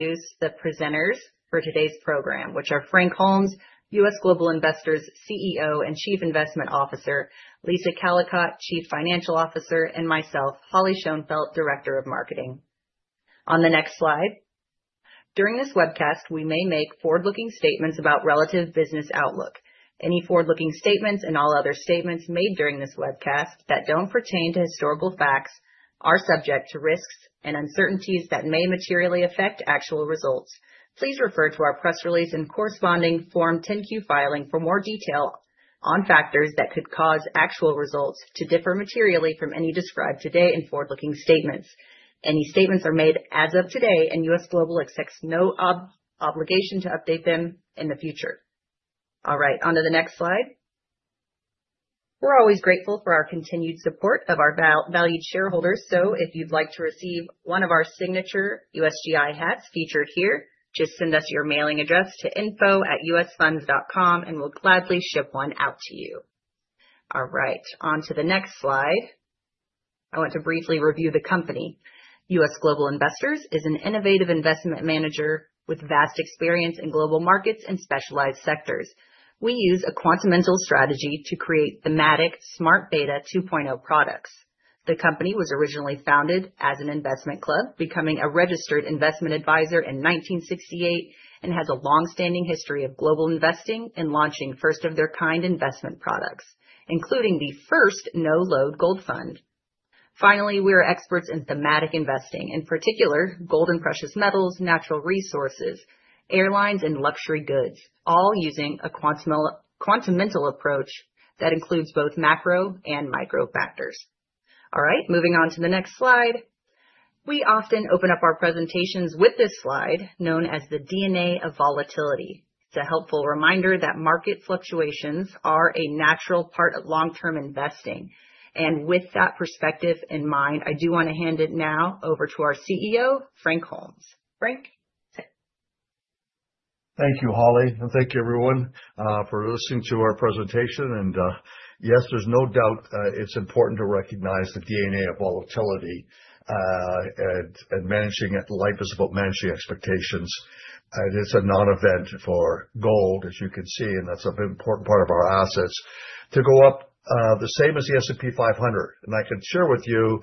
introduce the presenters for today's program, which are Frank Holmes, U.S. Global Investors CEO and Chief Investment Officer, Lisa Callicotte, Chief Financial Officer, and myself, Holly Schoenfeldt, Director of Marketing. On the next slide. During this webcast, we may make forward-looking statements about relative business outlook. Any forward-looking statements and all other statements made during this webcast that don't pertain to historical facts are subject to risks and uncertainties that may materially affect actual results. Please refer to our press release and corresponding Form 10-Q filing for more detail on factors that could cause actual results to differ materially from any described today in forward-looking statements. Any statements are made as of today. U.S. Global accepts no obligation to update them in the future. All right, onto the next slide. We're always grateful for our continued support of our valued shareholders. If you'd like to receive one of our signature USGI hats featured here, just send us your mailing address to info@usfunds.com, and we'll gladly ship one out to you. All right, on to the next slide. I want to briefly review the company. U.S. Global Investors is an innovative investment manager with vast experience in global markets and specialized sectors. We use a quantamental strategy to create thematic Smart Beta 2.0 products. The company was originally founded as an investment club, becoming a registered investment advisor in 1968, and has a long-standing history of global investing in launching first-of-their-kind investment products, including the first no-load gold fund. Finally, we are experts in thematic investing, in particular gold and precious metals, natural resources, airlines, and luxury goods, all using a quantamental approach that includes both macro and micro factors. All right, moving on to the next slide. We often open up our presentations with this slide, known as the DNA of volatility. It's a helpful reminder that market fluctuations are a natural part of long-term investing, and with that perspective in mind, I do wanna hand it now over to our CEO, Frank Holmes. Frank? Thank you, Holly, and thank you, everyone, for listening to our presentation. Yes, there's no doubt, it's important to recognize the DNA of volatility, and managing it. Life is about managing expectations, and it's a non-event for gold, as you can see, and that's an important part of our assets, to go up, the same as the S&P 500. I can share with you,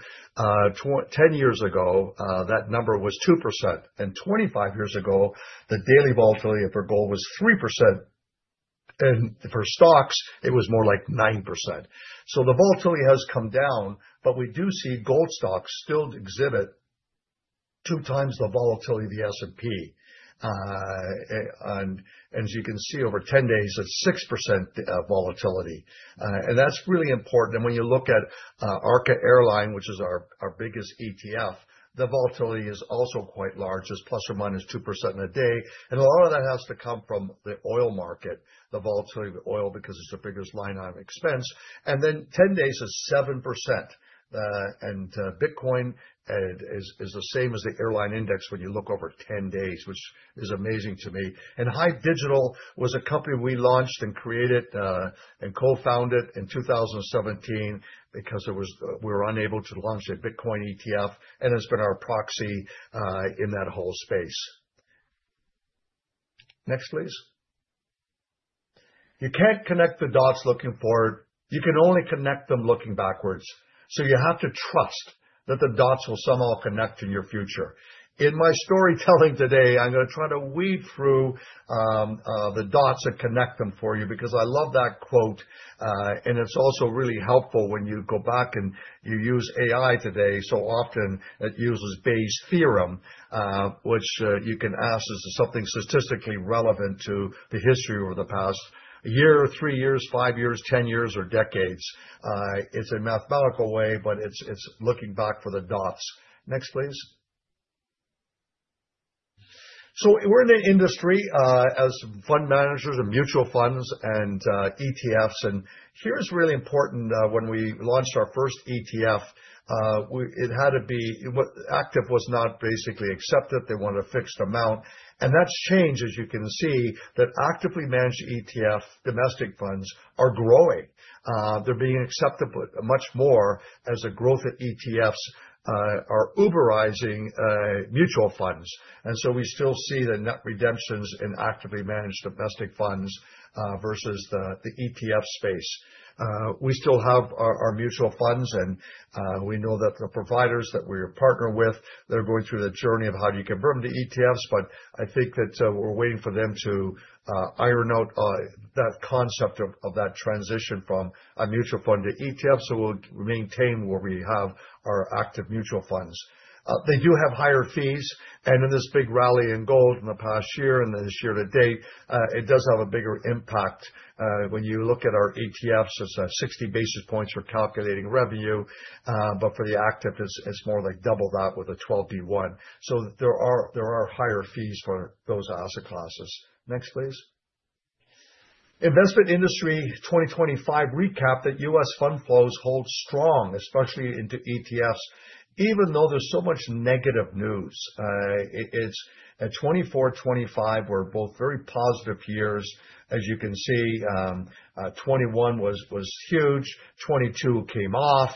10 years ago, that number was 2%, and 25 years ago, the daily volatility for gold was 3%, and for stocks, it was more like 9%. The volatility has come down, but we do see gold stocks still exhibit 2 times the volatility of the S&P. As you can see, over 10 days, it's 6% volatility, and that's really important. When you look at Arca Airline, which is our, our biggest ETF, the volatility is also quite large, it's ±2% in a day. A lot of that has to come from the oil market, the volatility of oil, because it's the biggest line item expense. Then 10 days is 7%, and Bitcoin is, is the same as the airline index when you look over 10 days, which is amazing to me. HIVE Digital was a company we launched and created, and co-founded in 2017 because it was, we were unable to launch a Bitcoin ETF, and it's been our proxy in that whole space. Next, please. You can't connect the dots looking forward, you can only connect them looking backwards, so you have to trust that the dots will somehow connect in your future. In my storytelling today, I'm gonna try to weave through the dots and connect them for you, because I love that quote, and it's also really helpful when you go back and you use AI today. Often it uses Bayes' theorem, which you can ask, is there something statistically relevant to the history over the past year, 3 years, 5 years, 10 years, or decades? It's a mathematical way, but it's, it's looking back for the dots. Next, please. We're in an industry as fund managers of mutual funds and ETFs, and here's really important. When we launched our first ETF, it had to be... Active was not basically accepted. They wanted a fixed amount, and that's changed, as you can see, that actively managed ETF domestic funds are growing. They're being accepted with much more as the growth of ETFs are Uber-izing mutual funds. We still see the net redemptions in actively managed domestic funds versus the, the ETF space. We still have our, our mutual funds, and we know that the providers that we're partnered with, they're going through the journey of how do you convert them to ETFs, but I think that we're waiting for them to iron out that concept of, of that transition from a mutual fund to ETF. We'll maintain where we have our active mutual funds. They do have higher fees, in this big rally in gold in the past year and this year to date, it does have a bigger impact. When you look at our ETFs, it's at 60 basis points for calculating revenue, but for the active, it's, it's more like double that with a 12-to-1. There are, there are higher fees for those asset classes. Next, please. Investment industry 2025 recap that U.S. fund flows hold strong, especially into ETFs, even though there's so much negative news. It, it's at 2024, 2025 were both very positive years. As you can see, 2021 was, was huge. 2022 came off.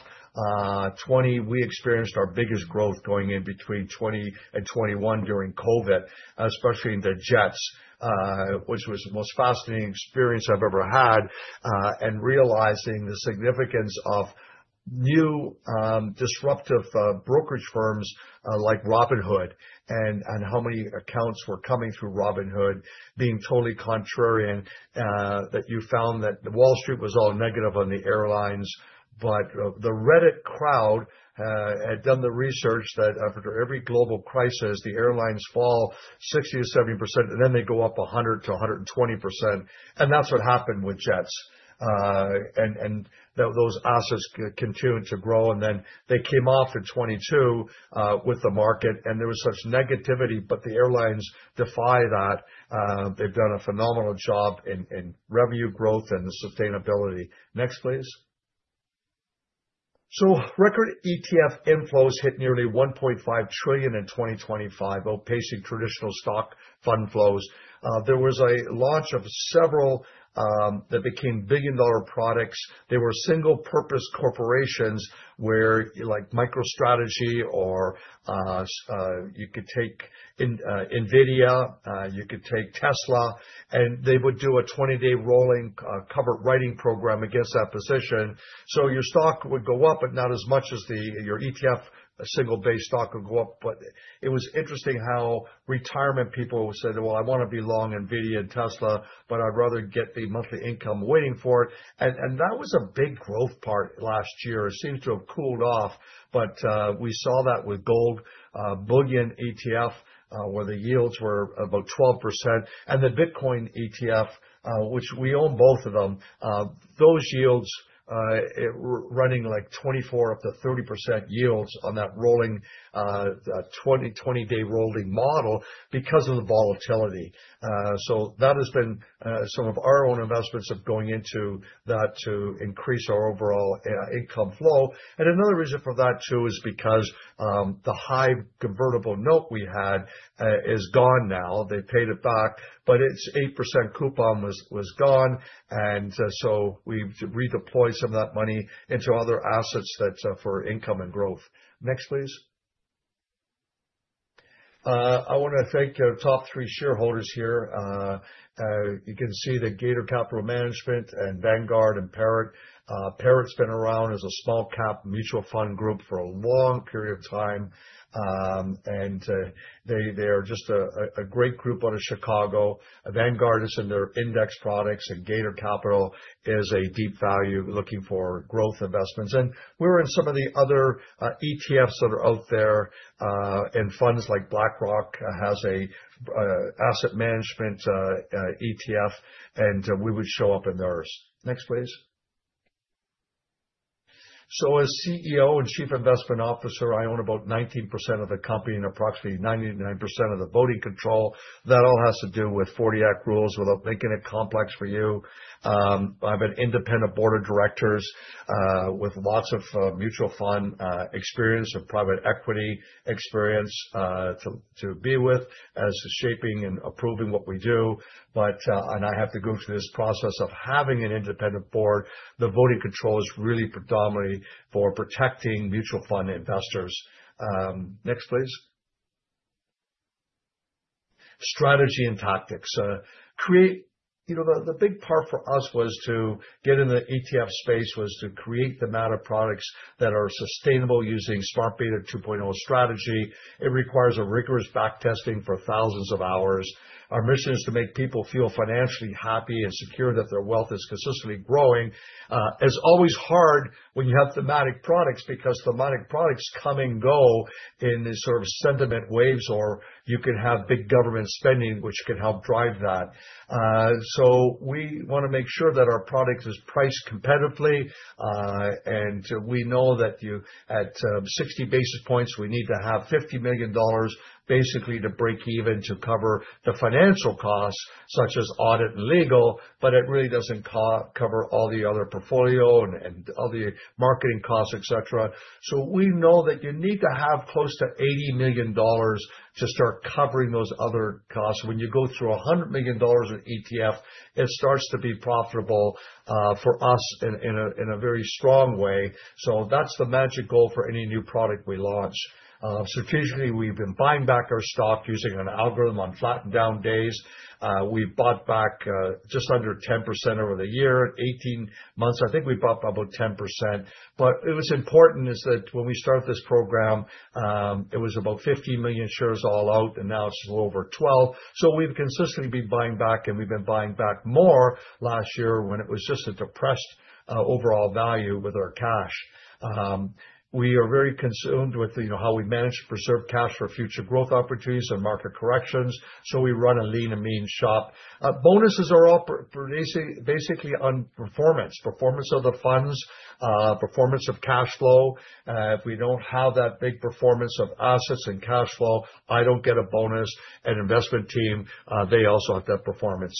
20, we experienced our biggest growth going in between 20 and 2021 during COVID, especially in the JETS, which was the most fascinating experience I've ever had, and realizing the significance of new, disruptive, brokerage firms, like Robinhood, and how many accounts were coming through Robinhood, being totally contrarian, that you found that Wall Street was all negative on the airlines, but the Reddit crowd had done the research that after every global crisis, the airlines fall 60%-70%, and then they go up 100%-120%. That's what happened with JETS. Those assets continued to grow, and then they came off in 2022, with the market, and there was such negativity, but the airlines defy that. They've done a phenomenal job in, in revenue growth and sustainability. Next, please. Record ETF inflows hit nearly $1.5 trillion in 2025, outpacing traditional stock fund flows. There was a launch of several that became billion-dollar products. They were single purpose corporations where, like MicroStrategy or, you could take NVIDIA, you could take Tesla, and they would do a 20-day rolling covered writing program against that position. Your stock would go up, but not as much as the, your ETF, single day stock would go up. It was interesting how retirement people said, "Well, I want to be long NVIDIA and Tesla, but I'd rather get the monthly income waiting for it." That was a big growth part last year. It seems to have cooled off, but we saw that with gold bullion ETF, where the yields were about 12%, and the Bitcoin ETF, which we own both of them. Those yields were running, like, 24% up to 30% yields on that rolling 20, 20-day rolling model because of the volatility. That has been some of our own investments of going into that to increase our overall income flow. Another reason for that, too, is because the high convertible note we had is gone now. They paid it back, but its 8% coupon was gone. We've redeployed some of that money into other assets that's for income and growth. Next, please. I want to thank our top three shareholders here. You can see the Gator Capital Management and Vanguard and Parrott. Parrott's been around as a small cap mutual fund group for a long period of time, and they're just a great group out of Chicago. Vanguard is in their index products, and Gator Capital is a deep value, looking for growth investments. And we were in some of the other ETFs that are out there, and funds like BlackRock has a asset management ETF, and we would show up in theirs. Next, please. As CEO and Chief Investment Officer, I own about 19% of the company and approximately 99% of the voting control. That all has to do with '40 Act rules without making it complex for you. I have an independent board of directors with lots of mutual fund experience and private equity experience to be with as to shaping and approving what we do. I have to go through this process of having an independent board. The voting control is really predominantly for protecting mutual fund investors. Next, please. Strategy and tactics. You know, the big part for us was to get in the ETF space, was to create the amount of products that are sustainable using Smart Beta 2.0 strategy. It requires a rigorous back testing for thousands of hours. Our mission is to make people feel financially happy and secure that their wealth is consistently growing. It's always hard when you have thematic products, because thematic products come and go in these sort of sentiment waves, or you can have big government spending, which can help drive that. We want to make sure that our product is priced competitively, and we know that you, at 60 basis points, we need to have $50 million basically to break even, to cover the financial costs, such as audit and legal, but it really doesn't cover all the other portfolio and, and all the marketing costs, et cetera. We know that you need to have close to $80 million to start covering those other costs. When you go through $100 million in ETF, it starts to be profitable for us in, in a, in a very strong way. That's the magic goal for any new product we launch. Strategically, we've been buying back our stock using an algorithm on flattened down days. We've bought back just under 10% over the year. At 18 months, I think we bought about 10%. It was important is that when we started this program, it was about 50 million shares all out, and now it's a little over 12. We've consistently been buying back, and we've been buying back more last year when it was just a depressed overall value with our cash. We are very concerned with, you know, how we manage to preserve cash for future growth opportunities and market corrections, so we run a lean and mean shop. Bonuses are all basically on performance, performance of the funds, performance of cash flow. If we don't have that big performance of assets and cash flow, I don't get a bonus. Investment team, they also have that performance.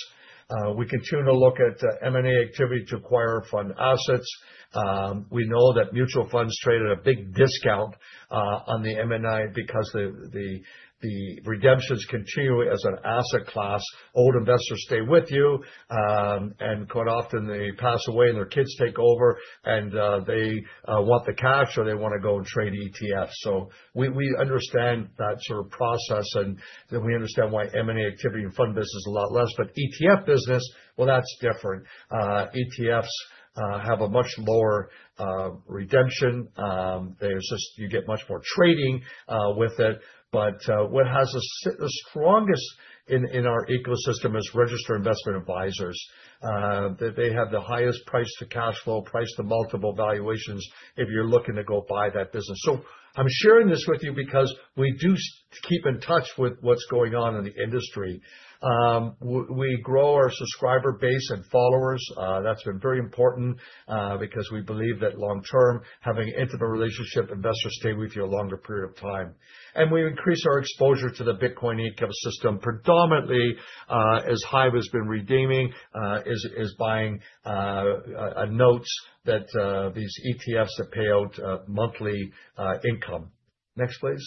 We continue to look at M&A activity to acquire fund assets. We know that mutual funds trade at a big discount on the M&I because the, the, the redemptions continue as an asset class. Old investors stay with you, and quite often they pass away and their kids take over, and they want the cash, or they want to go and trade ETFs. We understand that sort of process, and then we understand why M&A activity and fund business is a lot less. ETF business, well, that's different. ETFs have a much lower redemption. There's just. You get much more trading with it, what has the strongest in our ecosystem is registered investment advisors. They, they have the highest price to cash flow, price to multiple valuations if you're looking to go buy that business. I'm sharing this with you because we do keep in touch with what's going on in the industry. We grow our subscriber base and followers. That's been very important because we believe that long term, having an intimate relationship, investors stay with you a longer period of time. We increase our exposure to the Bitcoin ecosystem, predominantly, as high as been redeeming, is, is buying, notes that these ETFs that pay out monthly income. Next, please.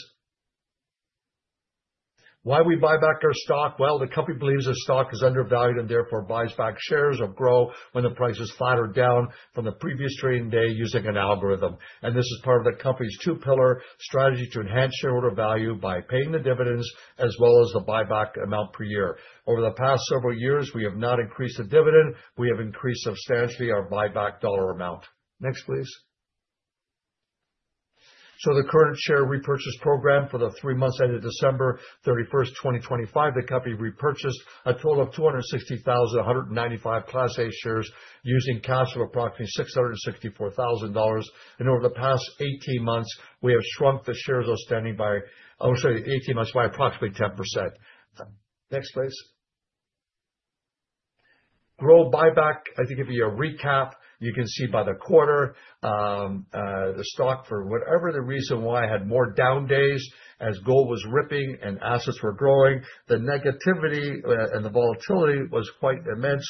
Why we buy back our stock? Well, the company believes the stock is undervalued and therefore buys back shares of Grow when the price is flat or down from the previous trading day using an algorithm. This is part of the company's 2-pillar strategy to enhance shareholder value by paying the dividends as well as the buyback amount per year. Over the past several years, we have not increased the dividend. We have increased substantially our buyback dollar amount. Next, please. The current share repurchase program for the 3 months ended December 31st, 2025, the company repurchased a total of 260,195 class A shares using cash of approximately $664,000. Over the past 18 months, we have shrunk the shares outstanding by, I'm sorry, 18 months, by approximately 10%. Next, please. Grow buyback, I think, to give you a recap, you can see by the quarter, the stock, for whatever the reason why, had more down days as gold was ripping and assets were growing. The negativity, and the volatility was quite immense.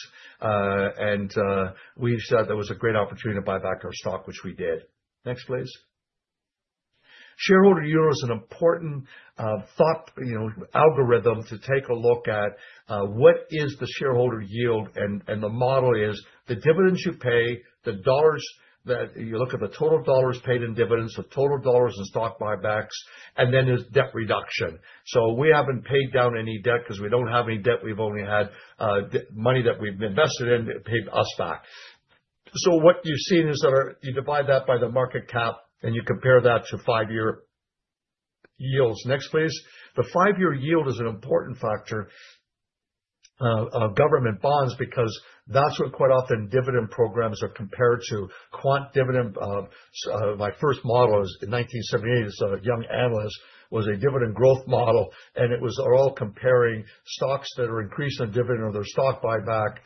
We said there was a great opportunity to buy back our stock, which we did. Next, please. Shareholder yield is an important, you know, algorithm to take a look at, what is the shareholder yield, and the model is the dividends you pay, the dollars that you look at the total dollars paid in dividends, the total dollars in stock buybacks, and then there's debt reduction. We haven't paid down any debt because we don't have any debt. We've only had money that we've invested in, it paid us back. What you've seen is that our, you divide that by the market cap, and you compare that to 5-year yields. Next, please. The 5-year yield is an important factor of government bonds, because that's what quite often dividend programs are compared to. Quant dividend, my first model was in 1978 as a young analyst, was a dividend growth model, and it was all comparing stocks that are increasing their dividend or their stock buyback.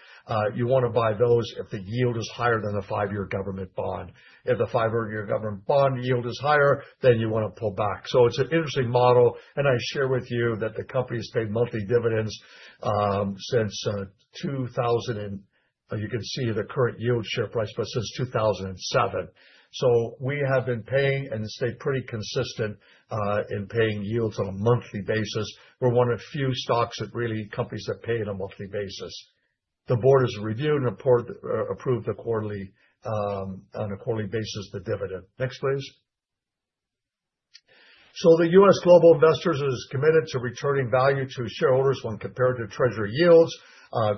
You wanna buy those if the yield is higher than a 5-year government bond. If the 5-year government bond yield is higher, then you wanna pull back. It's an interesting model, and I share with you that the company has paid monthly dividends since 2000 and... You can see the current yield share price, but since 2007. We have been paying and stayed pretty consistent in paying yields on a monthly basis. We're one of the few stocks that really, companies that pay on a monthly basis. The board has reviewed and approved approved the quarterly on a quarterly basis, the dividend. Next, please. U.S. Global Investors is committed to returning value to shareholders when compared to Treasury yields.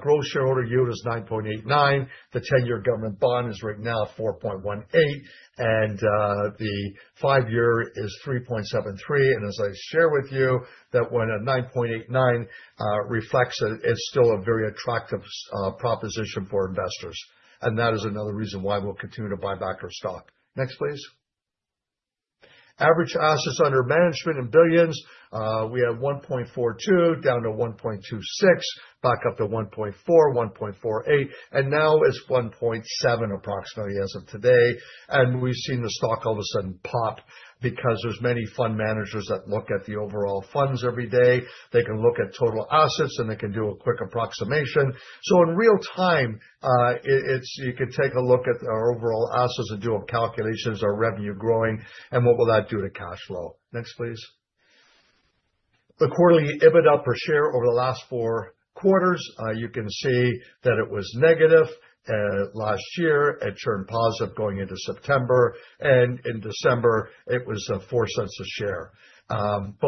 Grow shareholder yield is 9.89%. The 10-year government bond is right now 4.18%, and the 5-year is 3.73%. As I share with you, that when a 9.89% reflects it, it's still a very attractive proposition for investors. That is another reason why we'll continue to buy back our stock. Next, please. Average assets under management in billions. We have 1.42, down to 1.26, back up to 1.4, 1.48, and now it's 1.7, approximately as of today. We've seen the stock all of a sudden pop because there's many fund managers that look at the overall funds every day. They can look at total assets, and they can do a quick approximation. In real time, you could take a look at our overall assets and do a calculations, our revenue growing, and what will that do to cash flow? Next, please. The quarterly EBITDA per share over the last four quarters, you can see that it was negative last year. It turned positive going into September, and in December, it was $0.04 a share.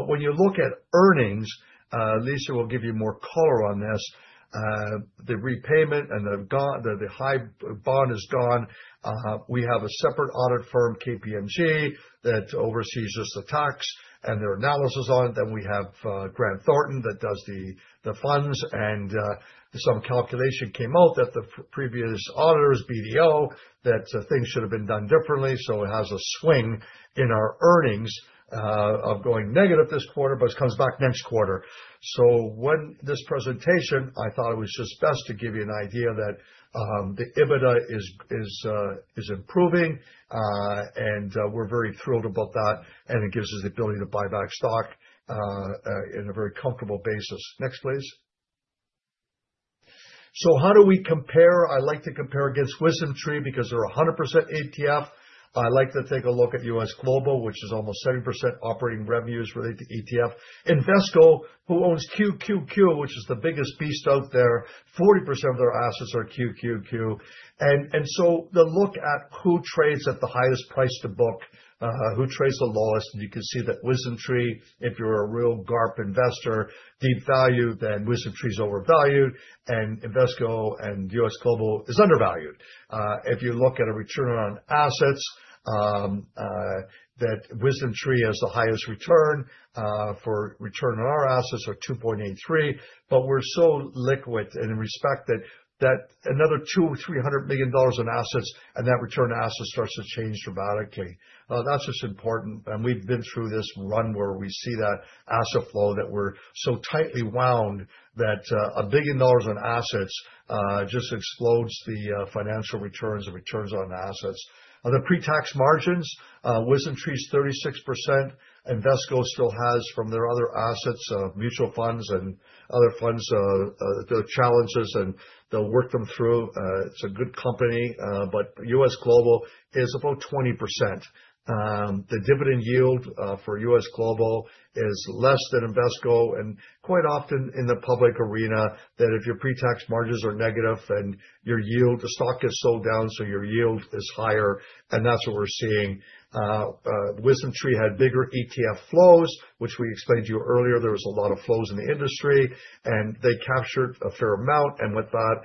When you look at earnings, Lisa will give you more color on this, the repayment and the high bond is gone. We have a separate audit firm, KPMG, that oversees just the tax and their analysis on it. We have Grant Thornton, that does the funds. Some calculation came out that the previous auditors, BDO, that things should have been done differently, so it has a swing in our earnings of going negative this quarter, but it comes back next quarter. When this presentation, I thought it was just best to give you an idea that the EBITDA is improving, and we're very thrilled about that, and it gives us the ability to buy back stock in a very comfortable basis. Next, please. How do we compare? I like to compare against WisdomTree because they're 100% ETF. I like to take a look at U.S. Global, which is almost 70% operating revenues related to ETF. Invesco, who owns QQQ, which is the biggest beast out there, 40% of their assets are QQQ. The look at who trades at the highest price to book, who trades the lowest, and you can see that WisdomTree, if you're a real GARP investor, deep value, then WisdomTree is overvalued, and Invesco and U.S. Global is undervalued. If you look at a return on assets, that WisdomTree has the highest return, for return on our assets are 2.83, but we're so liquid and in respect that, that another $200 billion or $300 billion in assets, and that return on assets starts to change dramatically. That's just important, and we've been through this run where we see that asset flow, that we're so tightly wound that a billion dollars in assets just explodes the financial returns and returns on assets. On the pre-tax margins, WisdomTree is 36%. Invesco still has, from their other assets, mutual funds and other funds, there are challenges, and they'll work them through. It's a good company, but US Global is about 20%. The dividend yield for U.S. Global is less than Invesco, and quite often in the public arena, that if your pre-tax margins are negative, then your yield, the stock gets sold down, so your yield is higher, and that's what we're seeing. WisdomTree had bigger ETF flows, which we explained to you earlier. There was a lot of flows in the industry, and they captured a fair amount, and with that,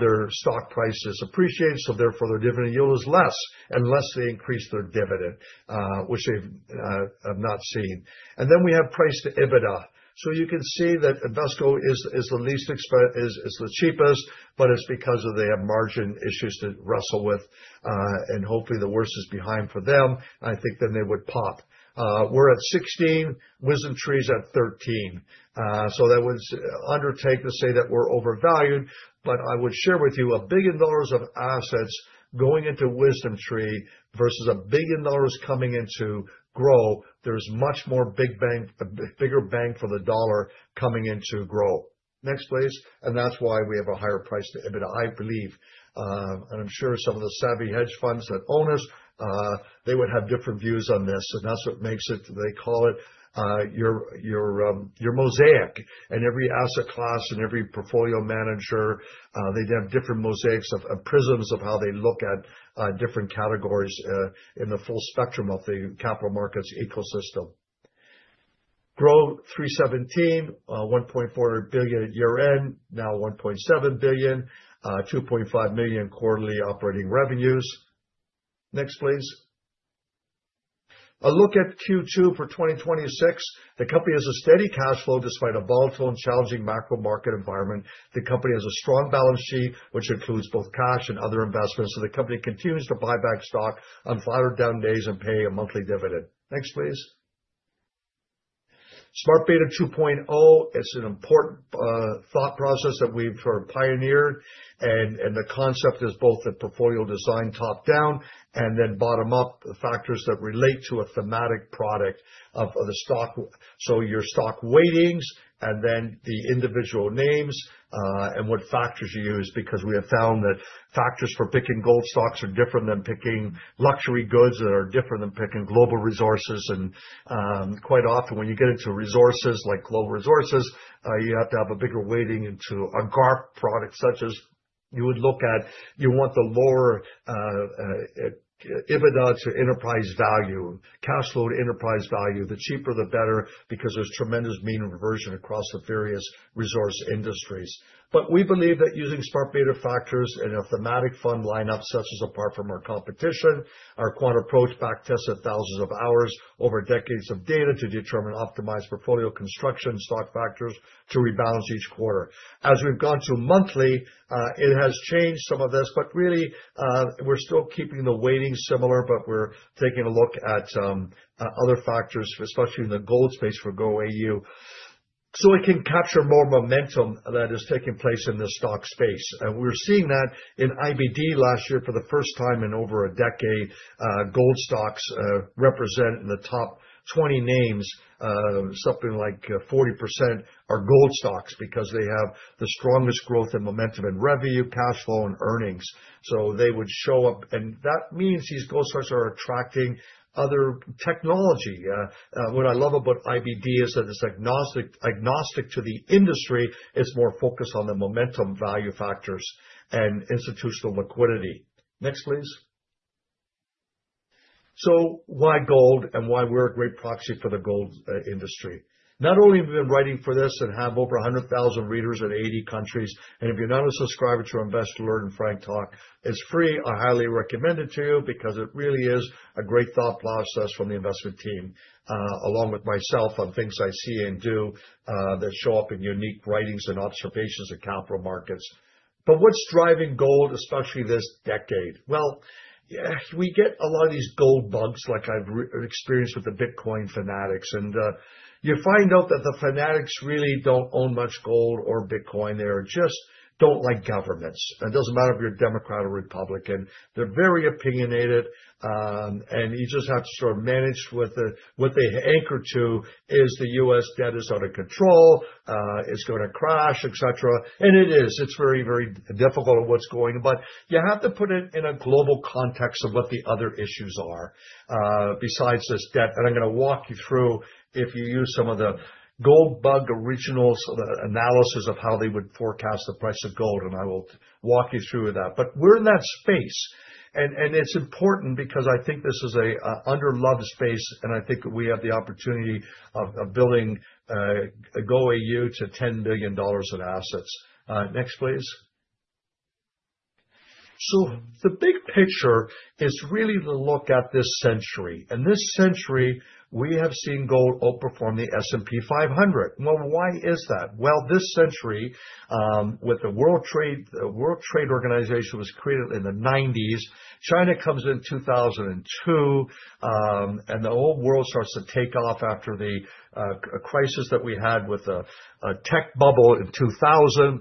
their stock prices appreciated, so therefore their dividend yield is less, unless they increase their dividend, which they've have not seen. Then we have price to EBITDA. You can see that Invesco is, is the least is, is the cheapest, but it's because of they have margin issues to wrestle with, and hopefully the worst is behind for them, and I think then they would pop. We're at 16, WisdomTree's at 13. That was undertake to say that we're overvalued, but I would share with you $1 billion of assets going into WisdomTree versus $1 billion coming into Grow, there's much more big bang, bigger bang for the dollar coming into Grow. Next, please. That's why we have a higher price to EBITDA, I believe. I'm sure some of the savvy hedge funds that own us, they would have different views on this, and that's what makes it. They call it your, your, your mosaic. Every asset class and every portfolio manager, they have different mosaics of, and prisms of how they look at different categories in the full spectrum of the capital markets ecosystem. Grow 317, $1.4 billion at year-end, now $1.7 billion, $2.5 million quarterly operating revenues. Next, please. A look at Q2 for 2026. The company has a steady cash flow despite a volatile and challenging macro market environment. The company has a strong balance sheet, which includes both cash and other investments. The company continues to buy back stock on flatter down days and pay a monthly dividend. Next, please. Smart Beta 2.0, it's an important thought process that we've sort of pioneered. The concept is both the portfolio design top-down, and then bottom-up, the factors that relate to a thematic product of, of the stock. Your stock weightings and then the individual names, and what factors you use, because we have found that factors for picking gold stocks are different than picking luxury goods, that are different than picking global resources. Quite often, when you get into resources like global resources, you have to have a bigger weighting into a GARP product, such as you would look at, you want the lower EBITDA to enterprise value, cash flow to enterprise value. The cheaper, the better, because there's tremendous mean reversion across the various resource industries. We believe that using Smart Beta factors in a thematic fund lineup sets us apart from our competition. Our quant approach backtests at thousands of hours over decades of data to determine optimized portfolio construction stock factors to rebalance each quarter. As we've gone to monthly, it has changed some of this, but really, we're still keeping the weighting similar, but we're taking a look at other factors, especially in the gold space for GOAU, so we can capture more momentum that is taking place in the stock space. We're seeing that in IBD last year, for the first time in over a decade, gold stocks represent in the top 20 names, something like 40% are gold stocks because they have the strongest growth and momentum in revenue, cash flow, and earnings. They would show up, and that means these gold stocks are attracting other technology. What I love about IBD is that it's agnostic, agnostic to the industry. It's more focused on the momentum value factors and institutional liquidity. Next, please. Why gold, and why we're a great proxy for the gold industry? Not only have we been writing for this and have over 100,000 readers in 80 countries. If you're not a subscriber to our Investor Learn Frank Talk, it's free. I highly recommend it to you because it really is a great thought process from the investment team, along with myself, on things I see and do that show up in unique writings and observations in capital markets. What's driving gold, especially this decade? Well, yeah, we get a lot of these gold bugs, like I've re-experienced with the Bitcoin fanatics, and you find out that the fanatics really don't own much gold or Bitcoin. They just don't like governments. It doesn't matter if you're a Democrat or Republican. They're very opinionated, and you just have to sort of manage with it. What they anchor to is the U.S. debt is out of control, it's gonna crash, et cetera. It is. It's very, very difficult what's going... You have to put it in a global context of what the other issues are, besides this debt. I'm gonna walk you through, if you use some of the gold bug originals, the analysis of how they would forecast the price of gold, and I will walk you through that. We're in that space, and, and it's important because I think this is a, underloved space, and I think we have the opportunity of, of building, GOAU to $10 billion in assets. Next, please. The big picture is really the look at this century. This century, we have seen gold outperform the S&P 500. Well, why is that? Well, this century, with the World Trade, the World Trade Organization was created in the 1990s. China comes in 2002, the whole world starts to take off after the crisis that we had with the tech bubble in 2000,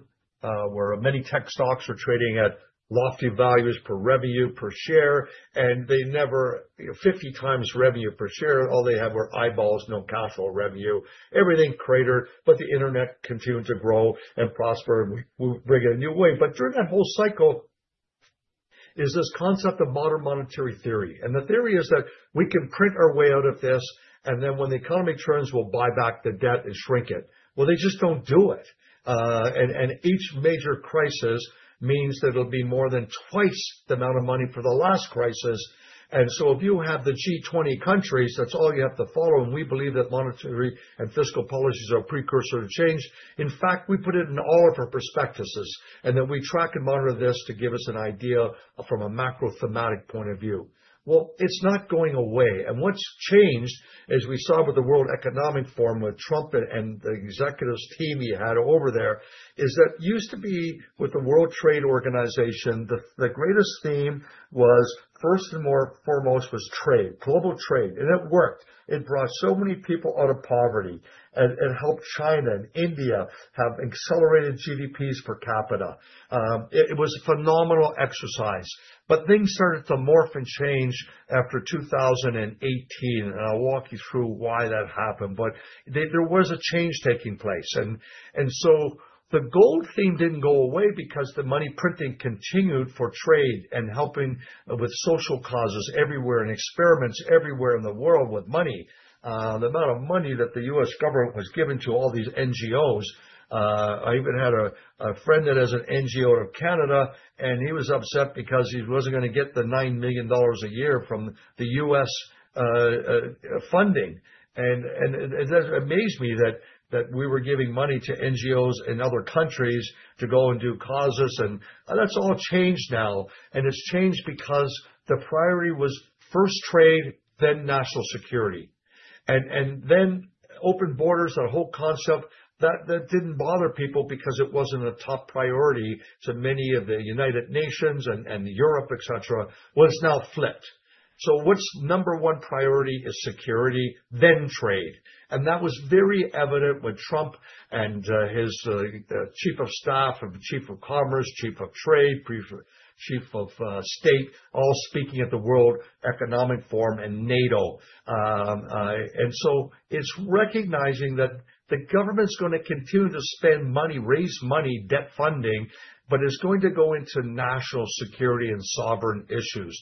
where many tech stocks were trading at lofty values per revenue, per share, and they never, you know, 50 times revenue per share. All they have were eyeballs, no cash flow revenue. Everything cratered, the internet continued to grow and prosper, we, we bring a new way. During that whole cycle, is this concept of Modern Monetary Theory, and the theory is that we can print our way out of this, and then when the economy turns, we'll buy back the debt and shrink it. Well, they just don't do it. And, and each major crisis means that it'll be more than twice the amount of money for the last crisis. If you have the G20 countries, that's all you have to follow, and we believe that monetary and fiscal policies are a precursor to change. In fact, we put it in all of our prospectuses, and then we track and monitor this to give us an idea from a macro thematic point of view. Well, it's not going away. What's changed, as we saw with the World Economic Forum, with Trump and, and the executives team he had over there, is that used to be with the World Trade Organization, the, the greatest theme was, first and more foremost, was trade, global trade. It worked. It brought so many people out of poverty and, and helped China and India have accelerated GDPs per capita. It, it was a phenomenal exercise, but things started to morph and change after 2018, and I'll walk you through why that happened. There, there was a change taking place, and, and so the gold theme didn't go away because the money printing continued for trade and helping with social causes everywhere and experiments everywhere in the world with money. The amount of money that the U.S. government was giving to all these NGOs, I even had a, a friend that has an NGO out of Canada, and he was upset because he wasn't gonna get $9 million a year from the U.S. funding. It amazed me that we were giving money to NGOs in other countries to go and do causes, and that's all changed now. It's changed because the priority was first trade, then national security, and then open borders, that whole concept, that didn't bother people because it wasn't a top priority to many of the United Nations and Europe, et cetera. Well, it's now flipped. What's number one priority is security, then trade. That was very evident with Trump and his chief of staff and chief of commerce, chief of trade, chief, chief of state, all speaking at the World Economic Forum in NATO. It's recognizing that the government's gonna continue to spend money, raise money, debt funding, but it's going to go into national security and sovereign issues.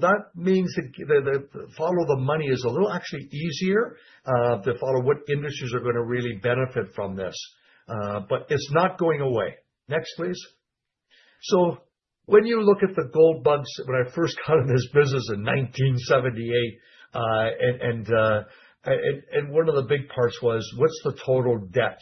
That means that the, the follow the money is a little actually easier to follow what industries are gonna really benefit from this. But it's not going away. Next, please. When you look at the gold bugs, when I first got in this business in 1978, and one of the big parts was: What's the total debt?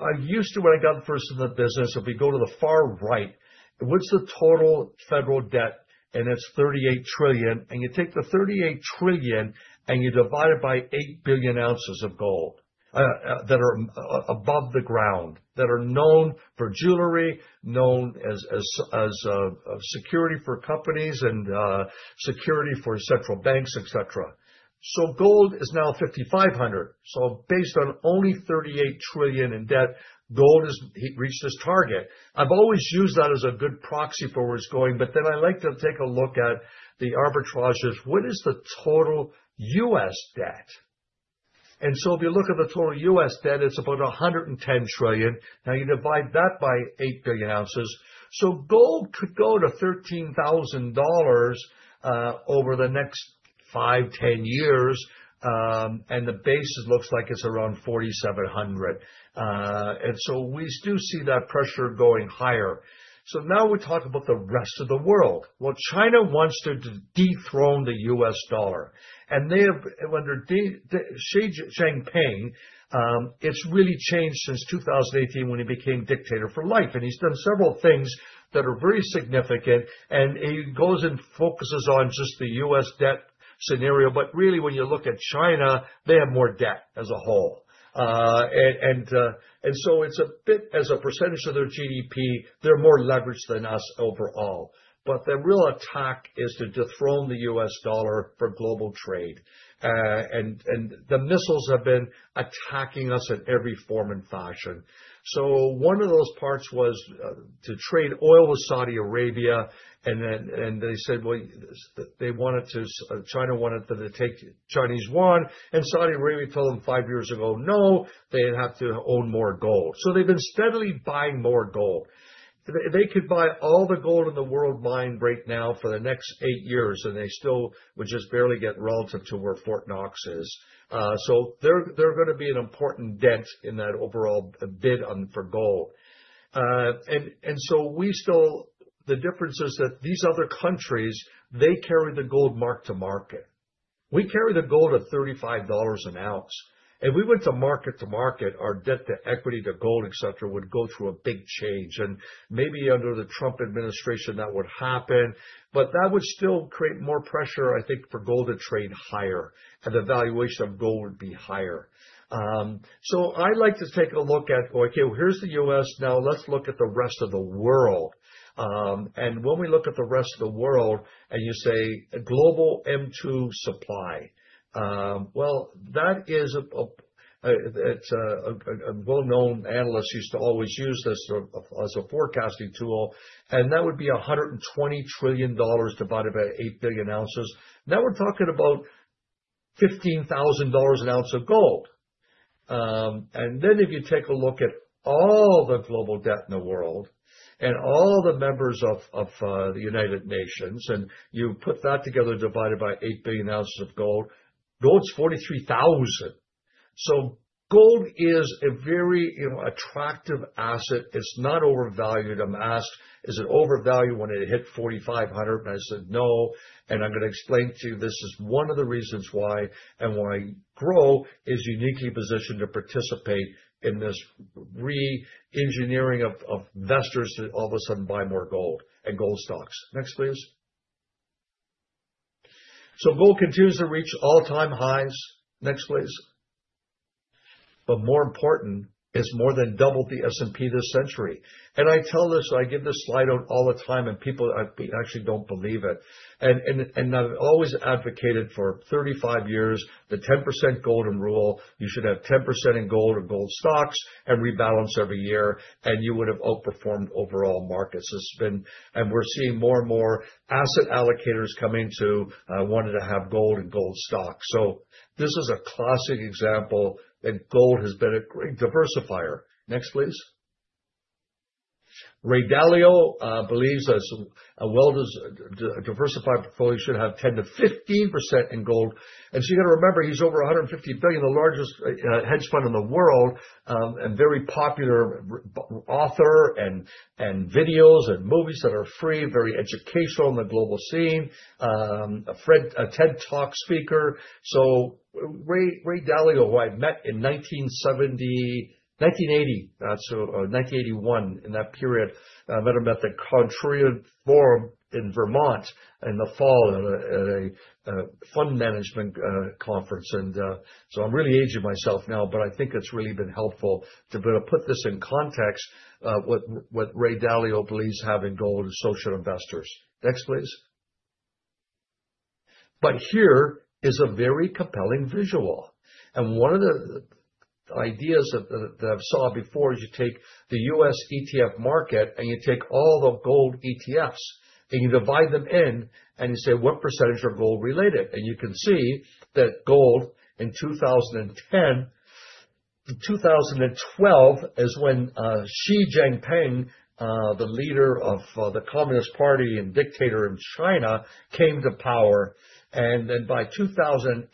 I used to when I got first in the business, if we go to the far right, what's the total federal debt? It's $38 trillion, and you take the $38 trillion, and you divide it by 8 billion ounces of gold that are above the ground, that are known for jewelry, known as, as, as, security for companies and security for central banks, et cetera. Gold is now $5,500. Based on only $38 trillion in debt, gold has re-reached its target. I've always used that as a good proxy for where it's going, then I like to take a look at the arbitrages. What is the total U.S. debt? If you look at the total U.S. debt, it's about $110 trillion. You divide that by 8 billion ounces, so gold could go to $13,000 over the next 5, 10 years, and the base it looks like it's around $4,700. We still see that pressure going higher. Now we talk about the rest of the world. Well, China wants to, to dethrone the U.S. dollar, and they have- under Xi Jinping, it's really changed since 2018 when he became dictator for life, and he's done several things that are very significant, and he goes and focuses on just the U.S. debt scenario. Really, when you look at China, they have more debt as a whole. It's a bit as a percentage of their GDP, they're more leveraged than us overall. The real attack is to dethrone the U.S. dollar for global trade. The missiles have been attacking us in every form and fashion. One of those parts was to trade oil with Saudi Arabia, and they said, well, they wanted to, China wanted them to take Chinese yuan, and Saudi Arabia told them 5 years ago, "No, they'd have to own more gold." They've been steadily buying more gold. They, they could buy all the gold in the world mine right now for the next 8 years, and they still would just barely get relative to where Fort Knox is. They're, they're gonna be an important dent in that overall bid on, for gold. We still... The difference is that these other countries, they carry the gold mark to market.... We carry the gold at $35 an ounce, and if we went to market to market, our debt to equity, to gold, et cetera, would go through a big change, and maybe under the Trump administration, that would happen. That would still create more pressure, I think, for gold to trade higher, and the valuation of gold would be higher. I like to take a look at, okay, here's the U.S., now let's look at the rest of the world. When we look at the rest of the world, and you say, a global M2 supply, well, that is a, a, it's a, a, a well-known analyst used to always use this as a forecasting tool, and that would be $120 trillion divided by 8 billion ounces. We're talking about $15,000 an ounce of gold. If you take a look at all the global debt in the world and all the members of, of, the United Nations, and you put that together, divided by 8 billion ounces of gold, gold's $43,000. Gold is a very, you know, attractive asset. It's not overvalued. I'm asked, "Is it overvalued when it hit $4,500?" I said, "No." I'm gonna explain to you, this is one of the reasons why, and why GROW is uniquely positioned to participate in this re-engineering of, of investors to all of a sudden buy more gold and gold stocks. Next, please. Gold continues to reach all-time highs. Next, please. More important, it's more than doubled the S&P this century. I tell this, I give this slide out all the time, and people actually don't believe it. I've always advocated for 35 years, the 10% golden rule. You should have 10% in gold or gold stocks and rebalance every year, and you would have outperformed overall markets. It's been... We're seeing more and more asset allocators coming to wanting to have gold and gold stocks. This is a classic example that gold has been a great diversifier. Next, please. Ray Dalio believes that a well-diversified portfolio should have 10%-15% in gold. You gotta remember, he's over $150 billion, the largest hedge fund in the world, and very popular author and videos and movies that are free, very educational on the global scene, a TED Talk speaker. Ray Dalio, who I met in 1970, 1980, or 1981, in that period, I met him at the Contrapunto Forum in Vermont, in the fall, at a fund management conference. I'm really aging myself now, but I think it's really been helpful to be able to put this in context, what Ray Dalio believes have in gold as social investors. Next, please. Here is a very compelling visual, and one of the, the ideas that, that I've saw before, you take the U.S. ETF market, and you take all the gold ETFs, and you divide them in, and you say, "What percentage are gold related?" You can see that gold in 2010 to 2012 is when Xi Jinping, the leader of the Communist Party and dictator in China, came to power. Then by 2018,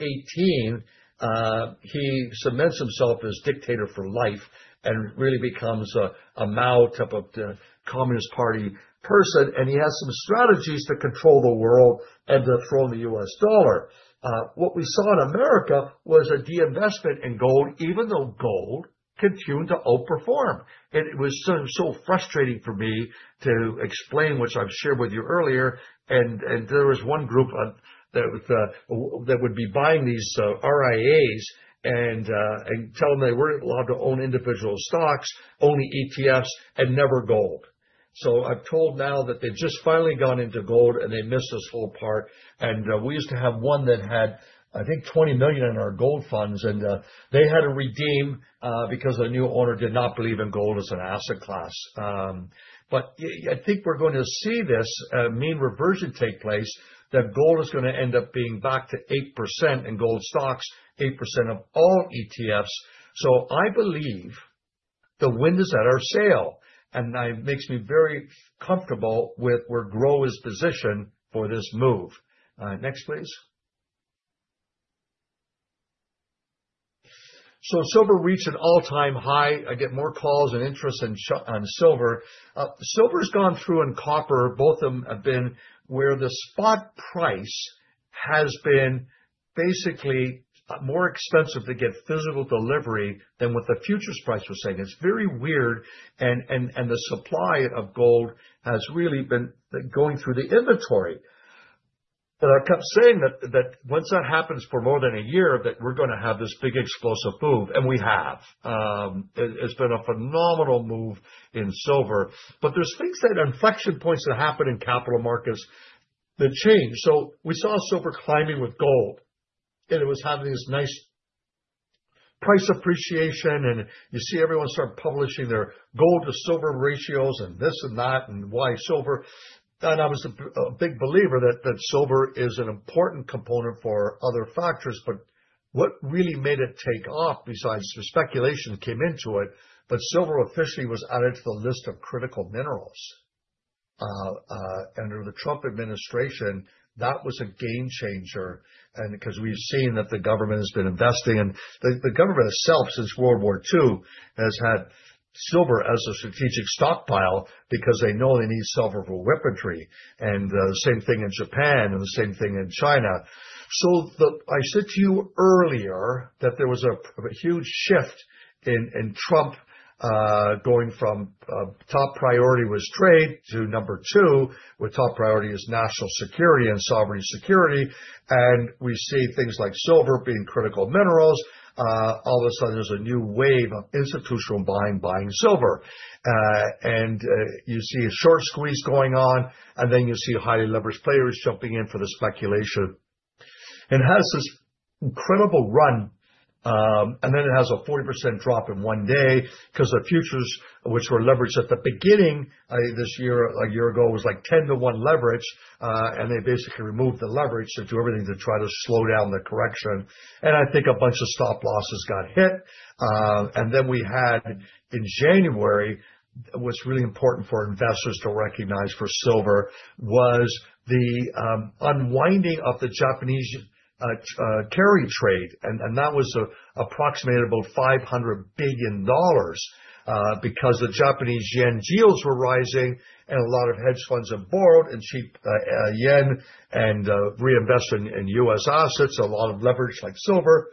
he cements himself as dictator for life and really becomes a, a Mao-type of the Communist Party person, and he has some strategies to control the world and dethrone the U.S. dollar. What we saw in America was a disinvestment in gold, even though gold continued to outperform. It was so, so frustrating for me to explain, which I've shared with you earlier. There was one group that would be buying these RIAs and tell them they weren't allowed to own individual stocks, only ETFs and never gold. I'm told now that they've just finally gone into gold, and they missed this whole part, and we used to have one that had, I think, $20 million in our gold funds. They had to redeem because the new owner did not believe in gold as an asset class. I think we're going to see this mean reversion take place, that gold is gonna end up being back to 8% in gold stocks, 8% of all ETFs. I believe the wind is at our sail, and that makes me very comfortable with where GROW is positioned for this move. Next, please. Silver reached an all-time high. I get more calls and interest in on silver. Silver's gone through, and copper, both of them have been where the spot price has been basically, more expensive to get physical delivery than what the futures price was saying. It's very weird, and, and, and the supply of gold has really been going through the inventory. I kept saying that, that once that happens for more than a year, that we're gonna have this big explosive move, and we have. It, it's been a phenomenal move in silver, but there's things that, inflection points that happen in capital markets that change. We saw silver climbing with gold, and it was having this nice price appreciation, and you see everyone start publishing their gold to silver ratios and this and that, and why silver? I was a, a big believer that, that silver is an important component for other factors, but what really made it take off, besides the speculation that came into it, but silver officially was added to the list of critical minerals, and under the Trump administration, that was a game changer. 'Cause we've seen that the government has been investing, and the, the government itself, since World War II, has had silver as a strategic stockpile because they know they need silver for weaponry, and same thing in Japan and the same thing in China. I said to you earlier that there was a, a huge shift in, in Trump, going from top priority was trade, to number 2, where top priority is national security and sovereign security. We see things like silver being critical minerals. All of a sudden, there's a new wave of institutional buying, buying silver. You see a short squeeze going on, and then you see highly leveraged players jumping in for the speculation. It has this incredible run, and then it has a 40% drop in one day 'cause the futures, which were leveraged at the beginning, this year, a year ago, it was like 10-to-1 leverage. They basically removed the leverage to do everything to try to slow down the correction. I think a bunch of stop losses got hit. Then we had, in January, what's really important for investors to recognize for silver, was the unwinding of the Japanese carry trade, and that was approximately about $500 billion. Because the Japanese yen yields were rising, and a lot of hedge funds had borrowed in cheap yen and reinvested in U.S. assets, a lot of leverage like silver.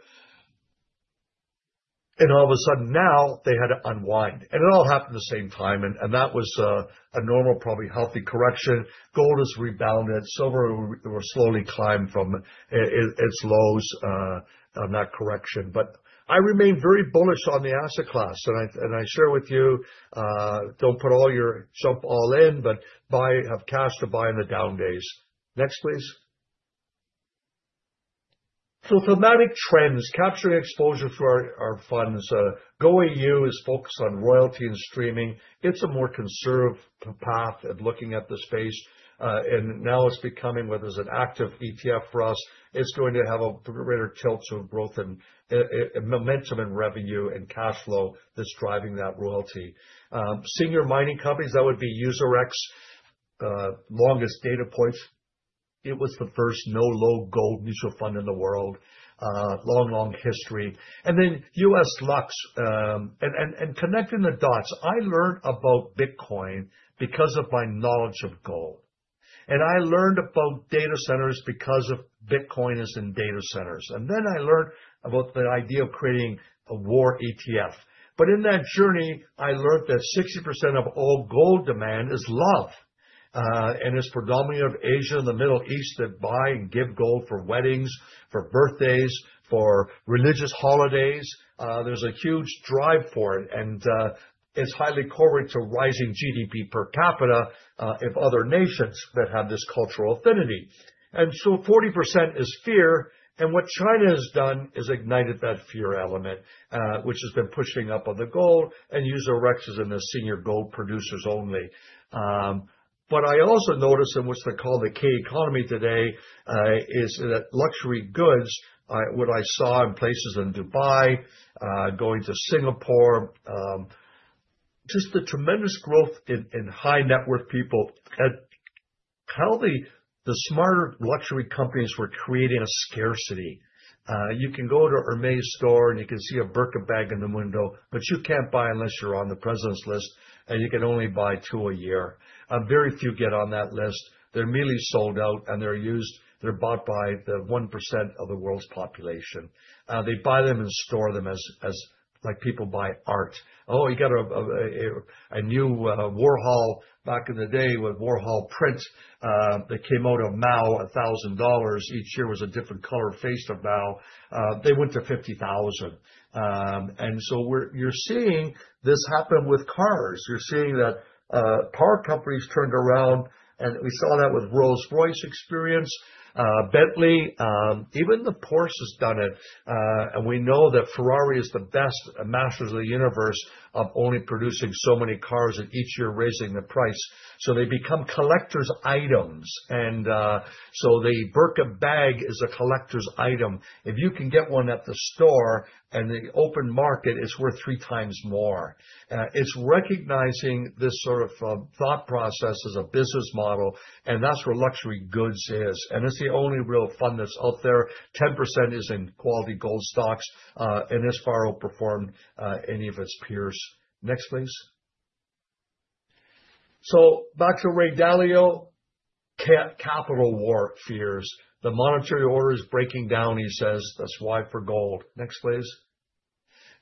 All of a sudden, now they had to unwind, and it all happened the same time, and, and that was, a normal, probably healthy correction. Gold has rebounded. Silver w- will slowly climb from i- i- its lows on that correction. I remain very bullish on the asset class, and I, and I share with you, don't put all your stuff all in, but buy, have cash to buy in the down days. Next, please. Thematic trends, capturing exposure through our, our funds. GOAU is focused on royalty and streaming. It's a more conservative path at looking at the space. Now it's becoming, where there's an active ETF for us, it's going to have a greater tilt to growth and momentum in revenue and cash flow that's driving that royalty. Senior mining companies, that would be USRX. Longest data points. It was the first no low gold mutual fund in the world. Long, long history. USLUX, connecting the dots, I learned about Bitcoin because of my knowledge of gold, and I learned about data centers because of Bitcoin is in data centers. I learned about the idea of creating a WAR ETF. In that journey, I learned that 60% of all gold demand is love, and it's predominantly of Asia and the Middle East that buy and give gold for weddings, for birthdays, for religious holidays. There's a huge drive for it, and it's highly correlated to rising GDP per capita of other nations that have this cultural affinity. 40% is fear, and what China has done is ignited that fear element, which has been pushing up on the gold, and USRX is in the senior gold producers only. But I also noticed in what they call the K economy today, is that luxury goods, what I saw in places in Dubai, going to Singapore, just the tremendous growth in high net worth people. How the, the smarter luxury companies were creating a scarcity. You can go to Hermès store, and you can see a Birkin bag in the window, but you can't buy unless you're on the president's list, and you can only buy 2 a year. Very few get on that list. They're mainly sold out, and they're used- they're bought by the 1% of the world's population. They buy them and store them as like people buy art. Oh, he got a new Warhol back in the day, with Warhol print, that came out of Mao, $1,000. Each year was a different color face of Mao. They went to $50,000. You're seeing this happen with cars. You're seeing that car companies turned around, and we saw that with Rolls-Royce experience, Bentley, even the Porsche has done it. We know that Ferrari is the best masters of the universe of only producing so many cars and each year raising the price, so they become collectors' items. The Birkin bag is a collector's item. If you can get one at the store, in the open market, it's worth 3 times more. It's recognizing this sort of thought process as a business model, and that's where luxury goods is, and it's the only real fund that's out there. 10% is in quality gold stocks, and it's far outperformed any of its peers. Next, please. Back to Ray Dalio, capital war fears. "The monetary order is breaking down," he says. "That's why for gold." Next, please.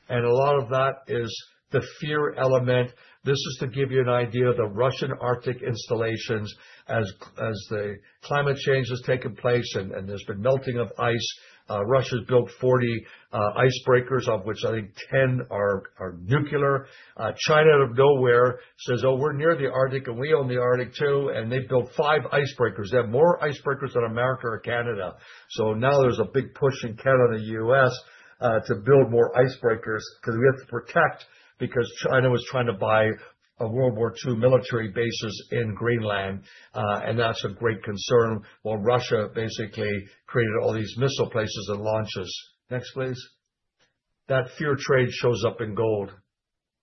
A lot of that is the fear element. This is to give you an idea of the Russian Arctic installations. As, as the climate change has taken place and, and there's been melting of ice, Russia's built 40 icebreakers, of which I think 10 are, are nuclear. China, out of nowhere, says, "Oh, we're near the Arctic, and we own the Arctic, too," and they've built 5 icebreakers. They have more icebreakers than America or Canada. Now there's a big push in Canada and the U.S. to build more icebreakers because we have to protect, because China was trying to buy a World War II military bases in Greenland. That's a great concern, while Russia basically created all these missile places and launches. Next, please. That fear trade shows up in gold.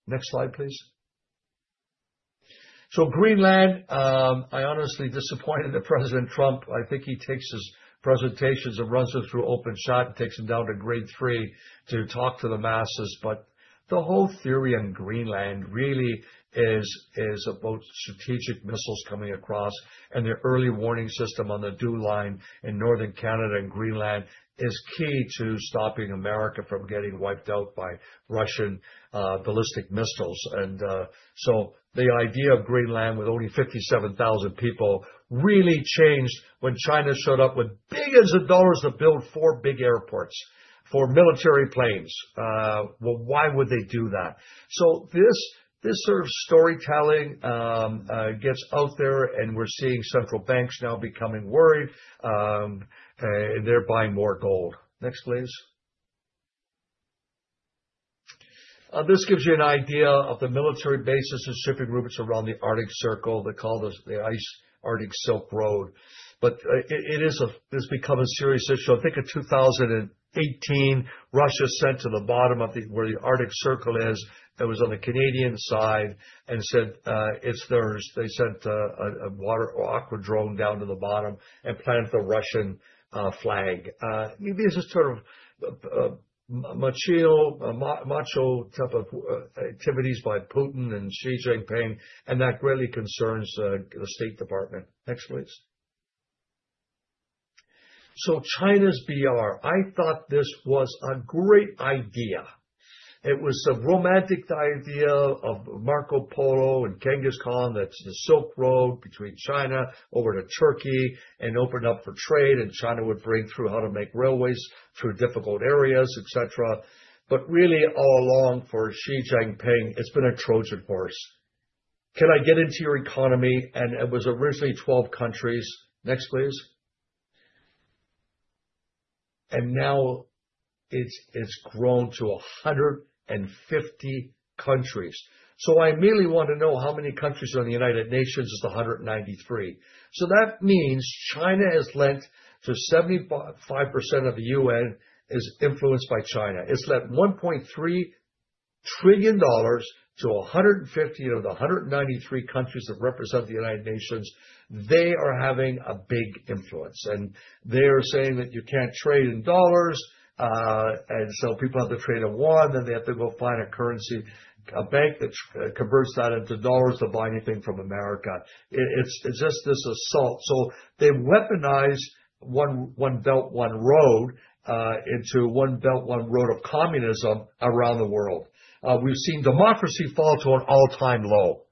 Next slide, please. Greenland, I honestly disappointed in President Trump. I think he takes his presentations and runs them through OpenShot and takes them down to grade 3 to talk to the masses. The whole theory on Greenland really is, is about strategic missiles coming across, and the early warning system on the DEW Line in Northern Canada and Greenland is key to stopping America from getting wiped out by Russian ballistic missiles. The idea of Greenland, with only 57,000 people, really changed when China showed up with billions of dollars to build four big airports for military planes. Well, why would they do that? This, this sort of storytelling gets out there, and we're seeing central banks now becoming worried, and they're buying more gold. Next, please. This gives you an idea of the military bases and shipping routes around the Arctic Circle. They call this the Ice Arctic Silk Road, but it, it's become a serious issue. I think in 2018, Russia sent to the bottom of the, where the Arctic Circle is, that was on the Canadian side, and said, it's theirs. They sent a water or aqua drone down to the bottom and planted the Russian flag. Maybe this is sort of macho, macho type of activities by Putin and Xi Jinping, and that greatly concerns the State Department. Next, please. China's BR. I thought this was a great idea. It was the romantic idea of Marco Polo and Genghis Khan. That's the Silk Road between China over to Turkey, and opened up for trade, and China would bring through how to make railways through difficult areas, et cetera. Really, all along, for Xi Jinping, it's been a Trojan horse. Can I get into your economy? It was originally 12 countries. Next, please. Now, it's grown to 150 countries. I immediately want to know how many countries are in the United Nations, is 193. That means China has lent to 75% of the UN, is influenced by China. It's lent $1.3 trillion to 150 of the 193 countries that represent the United Nations. They are having a big influence, and they are saying that you can't trade in dollars, and people have to trade in yuan, and they have to go find a currency, a bank that converts that into dollars to buy anything from America. It's just this assault. They weaponized One Belt One Road into One Belt One Road of communism around the world. We've seen democracy fall to an all-time low.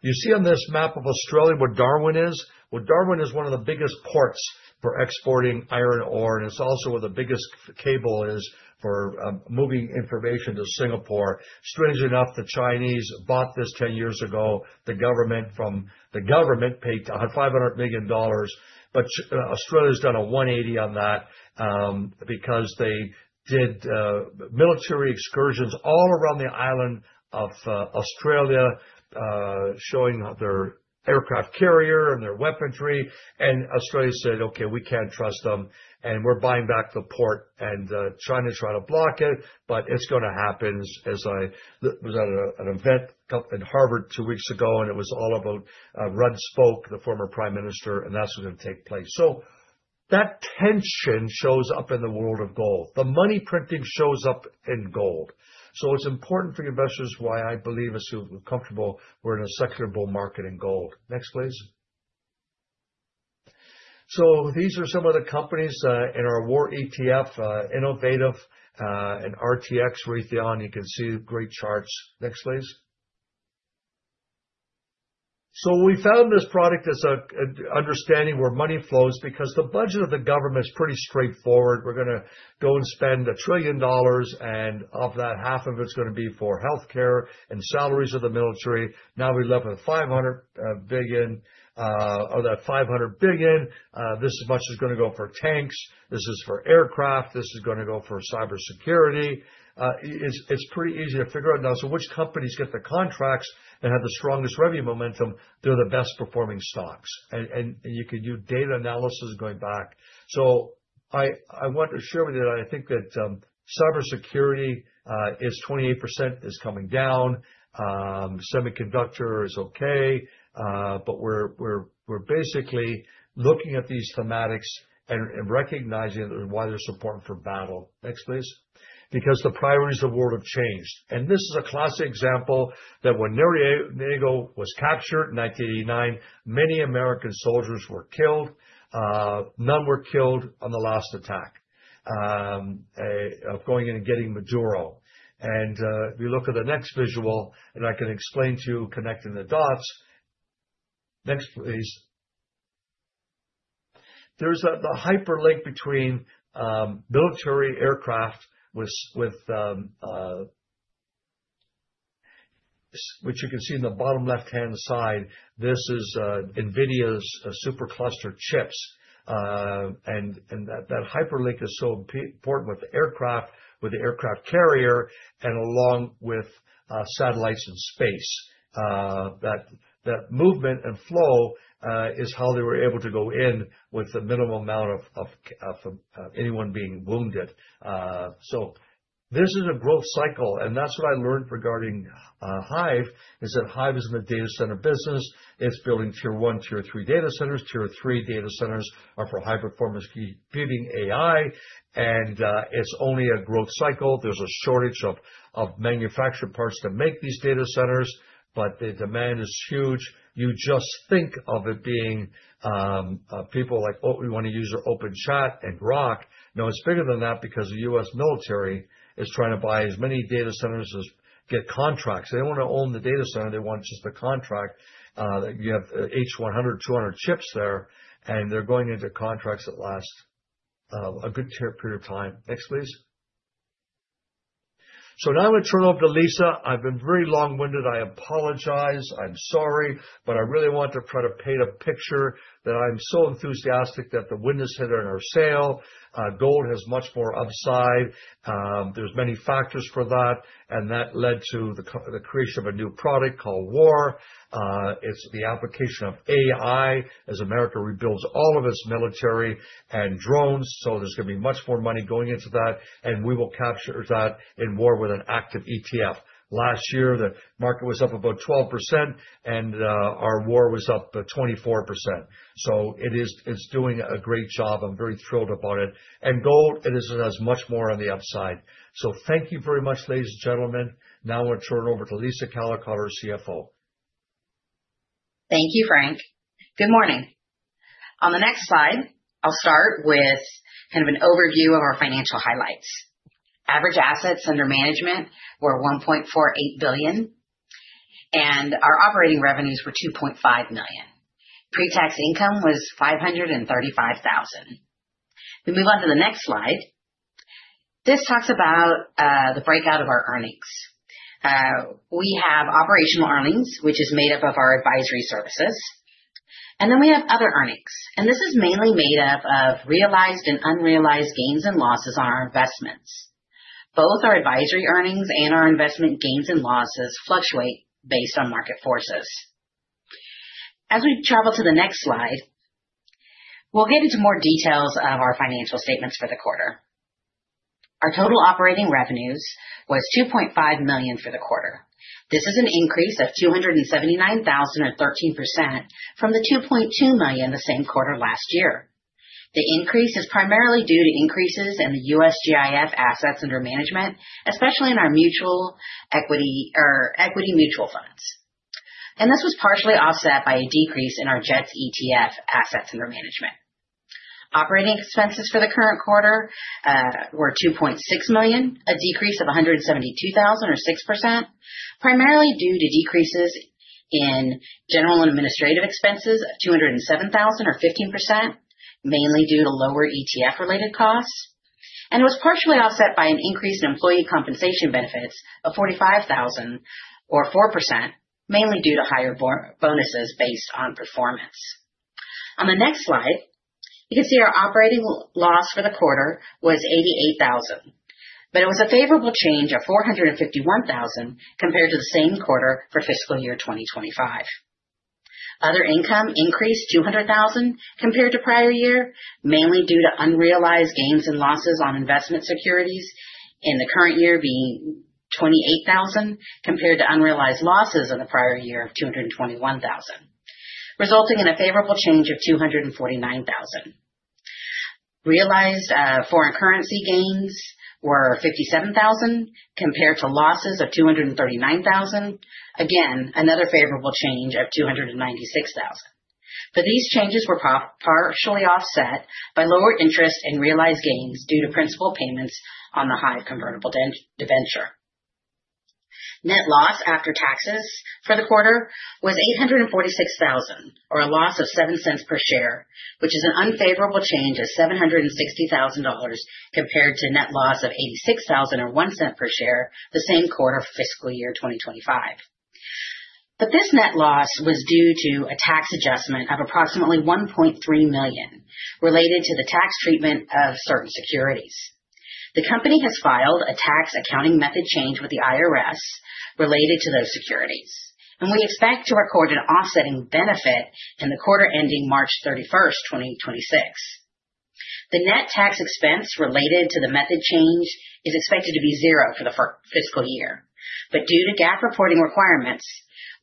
You see on this map of Australia where Darwin is? Well, Darwin is one of the biggest ports for exporting iron ore, and it's also where the biggest cable is for moving information to Singapore. Strangely enough, the Chinese bought this 10 years ago. The government paid $500 million. Australia's done a 180 on that because they did military excursions all around the island of Australia showing their aircraft carrier and their weaponry. Australia said, "Okay, we can't trust them, and we're buying back the port," China tried to block it, it's gonna happen. As I was at a, an event up in Harvard two weeks ago, it was all about Rudd Spoke, the former prime minister, that's what's going to take place. That tension shows up in the world of gold. The money printing shows up in gold. It's important for investors, why I believe it's comfortable, we're in a secular bull market in gold. Next, please. These are some of the companies in our WAR ETF, innovative, RTX, Raytheon. You can see great charts. Next, please. We found this product as a, a understanding where money flows, because the budget of the government is pretty straightforward. We're gonna go and spend $1 trillion, of that, $500 billion's gonna be for healthcare and salaries of the military. Now, we're left with $500 billion. Of that $500 billion, this is much is gonna go for tanks. This is for aircraft. This is gonna go for cybersecurity. It's, it's pretty easy to figure out now. Which companies get the contracts and have the strongest revenue momentum, they're the best-performing stocks. You can do data analysis going back. I, I want to assure you that I think that cybersecurity is 28% is coming down. Semiconductor is okay, we're basically looking at these thematics and, and recognizing why they're supporting for battle. Next, please. Because the priorities of the world have changed. This is a classic example, that when Manuel Noriega was captured in 1989, many American soldiers were killed. None were killed on the last attack of going in and getting Maduro. If you look at the next visual, and I can explain to you, connecting the dots. Next, please. There's a, the hyperlink between military aircraft with, with Which you can see in the bottom left-hand side. This is NVIDIA's super clustered chips. And, and that, that hyperlink is so im- important with the aircraft, with the aircraft carrier and along with satellites and space. That, that movement and flow is how they were able to go in with the minimal amount of, of, of anyone being wounded. This is a growth cycle, and that's what I learned regarding Hive, is that Hive is in the data center business. It's building Tier 1, Tier 3 data centers. Tier 3 data centers are for high-performance computing AI, and it's only a growth cycle. There's a shortage of manufactured parts to make these data centers, but the demand is huge. You just think of it being, people like, oh, we want to use your OpenChat. No, it's bigger than that, because the U.S. military is trying to buy as many data centers as get contracts. They don't want to own the data center, they want just a contract. You have H100, 200 chips there, and they're going into contracts that last a good period of time. Next, please. Now I'm going to turn it over to Lisa. I've been very long-winded. I apologize. I'm sorry, I really want to try to paint a picture that I'm so enthusiastic that the wind is hitting our sail. Gold has much more upside. There's many factors for that, and that led to the creation of a new product called WAR. It's the application of AI as America rebuilds all of its military and drones. There's going to be much more money going into that, and we will capture that in WAR with an active ETF. Last year, the market was up about 12% and our WAR was up 24%. It is, it's doing a great job. I'm very thrilled about it. Gold, it is, it has much more on the upside. Thank you very much, ladies and gentlemen. Now I want to turn it over to Lisa Callicotte, our CFO. Thank you, Frank. Good morning. On the next slide, I'll start with kind of an overview of our financial highlights. Average assets under management were $1.48 billion, and our operating revenues were $2.5 million. Pre-tax income was $535,000. We move on to the next slide. This talks about the breakout of our earnings. We have operational earnings, which is made up of our advisory services, and then we have other earnings, and this is mainly made up of realized and unrealized gains and losses on our investments. Both our advisory earnings and our investment gains and losses fluctuate based on market forces. As we travel to the next slide, we'll get into more details of our financial statements for the quarter. Our total operating revenues was $2.5 million for the quarter. This is an increase of $279,000 or 13% from the $2.2 million the same quarter last year. The increase is primarily due to increases in the USGI assets under management, especially in our mutual equity or equity mutual funds. This was partially offset by a decrease in our JETS ETF assets under management. Operating expenses for the current quarter were $2.6 million, a decrease of $172,000 or 6%, primarily due to decreases in general and administrative expenses of $207,000 or 15%, mainly due to lower ETF related costs, was partially offset by an increase in employee compensation benefits of $45,000 or 4%, mainly due to higher bonuses based on performance. On the next slide, you can see our operating loss for the quarter was $88,000, but it was a favorable change of $451,000 compared to the same quarter for fiscal year 2025. Other income increased $200,000 compared to prior year, mainly due to unrealized gains and losses on investment securities in the current year being $28,000, compared to unrealized losses in the prior year of $221,000, resulting in a favorable change of $249,000. Realized foreign currency gains were $57,000 compared to losses of $239,000. Again, another favorable change of $296,000. These changes were partially offset by lower interest in realized gains due to principal payments on the high-yield convertible debenture. Net loss after taxes for the quarter was $846,000, or a loss of $0.07 per share, which is an unfavorable change of $760,000 compared to net loss of $86,000 or $0.01 per share the same quarter, fiscal year 2025. This net loss was due to a tax adjustment of approximately $1.3 million related to the tax treatment of certain securities. The company has filed a tax accounting method change with the IRS related to those securities, and we expect to record an offsetting benefit in the quarter ending March 31st, 2026. The net tax expense related to the method change is expected to be zero for the fiscal year. Due to GAAP reporting requirements,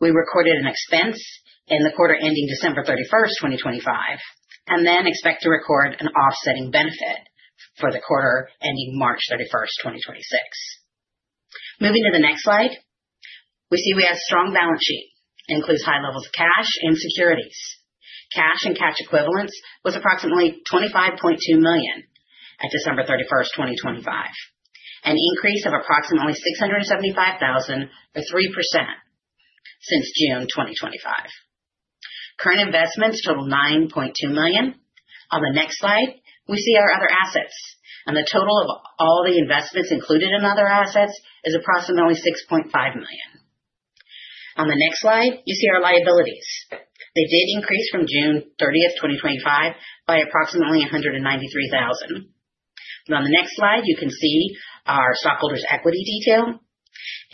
we recorded an expense in the quarter ending December 31, 2025, and then expect to record an offsetting benefit for the quarter ending March 31, 2026. Moving to the next slide, we see we have a strong balance sheet, includes high levels of cash and securities. Cash and cash equivalents was approximately $25.2 million at December 31, 2025, an increase of approximately $675,000, or 3% since June 2025. Current investments total $9.2 million. On the next slide, we see our other assets, and the total of all the investments included in other assets is approximately $6.5 million. On the next slide, you see our liabilities. They did increase from June 30, 2025, by approximately $193,000. On the next slide, you can see our stockholders' equity detail.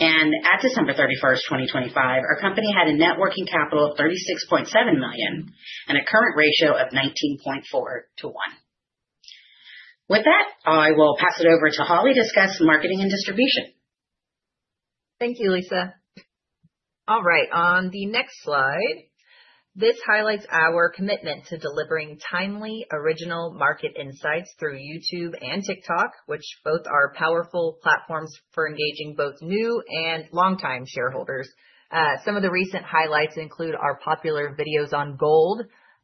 At December 31, 2025, our company had a net working capital of $36.7 million and a current ratio of 19.4 to 1. With that, I will pass it over to Holly to discuss marketing and distribution. Thank you, Lisa. All right, on the next slide, this highlights our commitment to delivering timely original market insights through YouTube and TikTok, which both are powerful platforms for engaging both new and longtime shareholders. Some of the recent highlights include our popular videos on gold,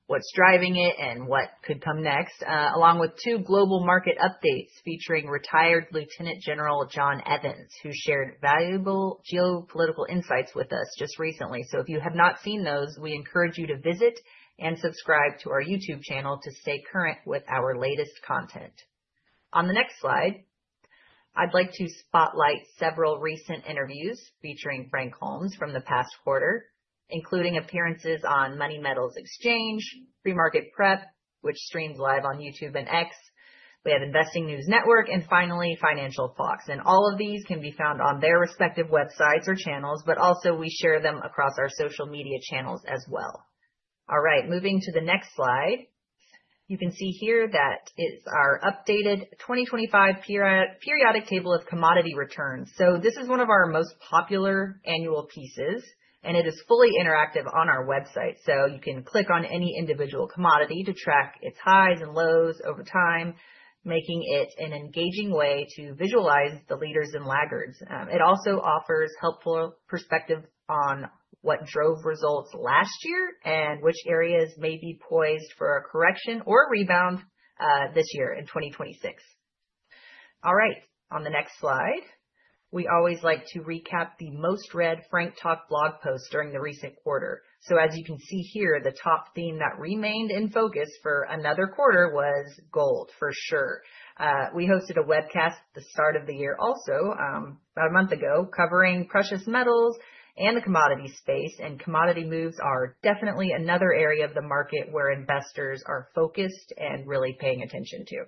what's driving it, and what could come next, along with two global market updates featuring retired Lieutenant General John Evans, who shared valuable geopolitical insights with us just recently. If you have not seen those, we encourage you to visit and subscribe to our YouTube channel to stay current with our latest content. On the next slide, I'd like to spotlight several recent interviews featuring Frank Holmes from the past quarter, including appearances on Money Metals Exchange, PreMarket Prep, which streams live on YouTube and X. We have Investing News Network and finally, Financial Fox, and all of these can be found on their respective websites or channels, but also we share them across our social media channels as well. All right, moving to the next slide. You can see here that it's our updated 2025 periodic table of commodity returns. This is one of our most popular annual pieces, and it is fully interactive on our website. You can click on any individual commodity to track its highs and lows over time, making it an engaging way to visualize the leaders and laggards. It also offers helpful perspective on what drove results last year and which areas may be poised for a correction or a rebound this year in 2026. All right, on the next slide, we always like to recap the most-read Frank Talk blog posts during the recent quarter. As you can see here, the top theme that remained in focus for another quarter was gold, for sure. We hosted a webcast at the start of the year also, about a month ago, covering precious metals and the commodity space. Commodity moves are definitely another area of the market where investors are focused and really paying attention to.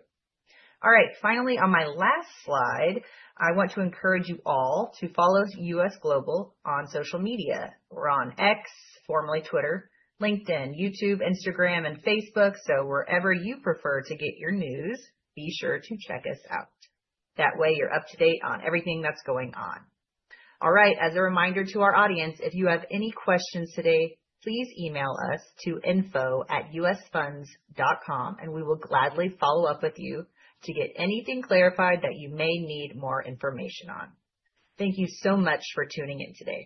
All right, finally, on my last slide, I want to encourage you all to follow US Global on social media. We're on X, formerly Twitter, LinkedIn, YouTube, Instagram, and Facebook. Wherever you prefer to get your news, be sure to check us out. That way, you're up-to-date on everything that's going on. All right, as a reminder to our audience, if you have any questions today, please email us to info@usfunds.com, we will gladly follow up with you to get anything clarified that you may need more information on. Thank you so much for tuning in today.